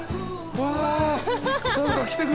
うわ！